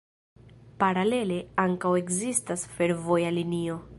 Paralele ankaŭ ekzistas fervoja linio.